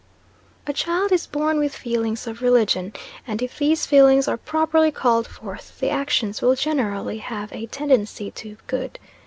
A child is born with feelings of religion; and if these feelings are properly called forth, the actions will generally have a tendency to good.